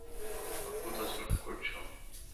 অদ্ভূত আচরণ করছো।